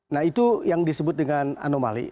nah itu yang disebut dengan anomali